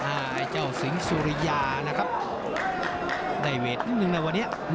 ไอ้เจ้าสิงห์สุริยานะครับได้เวทนิดนึงนะวันนี้